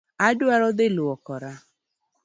Adwa dhi luokora